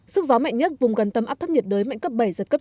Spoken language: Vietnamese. sức gió mạnh nhất vùng gần tâm áp thấp nhiệt đới mạnh cấp bảy giật cấp tám